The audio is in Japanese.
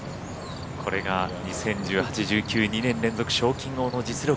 これが２０１８、２０１９２年連続賞金王の実力。